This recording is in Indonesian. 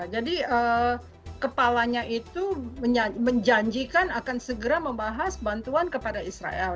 jadi kepalanya itu menjanjikan akan segera membahas bantuan kepada israel